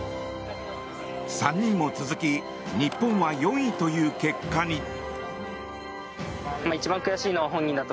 ３人も続き日本は４位という結果に。